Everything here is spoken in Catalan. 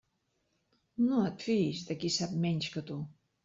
No et fiïs de qui sap menys que tu.